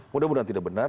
mudah mudahan tidak benar